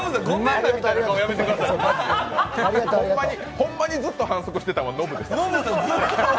ほんまにずっと反則してたんはノブですよ。